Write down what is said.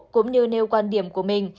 cũng như nêu quan điểm của mình